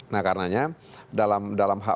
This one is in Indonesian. nah karenanya dalam hak